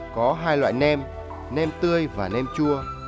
có hai loại nem nem tươi và nem chua